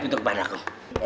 eh phil berikan tuh gua aja